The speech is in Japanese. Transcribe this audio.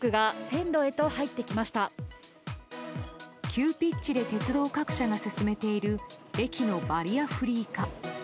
急ピッチで鉄道各社が進めている駅のバリアフリー化。